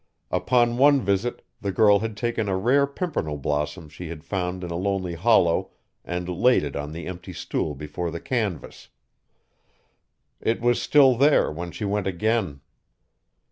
Upon one visit the girl had taken a rare pimpernel blossom she had found in a lonely hollow and laid it on the empty stool before the canvas. It was still there when she went again!